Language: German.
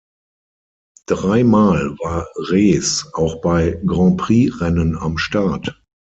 Dreimal war Rees auch bei Grand-Prix-Rennen am Start.